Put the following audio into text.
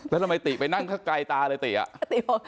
แล้วทำไมติไปนั่งข้างไกลตาเลยติอ่ะ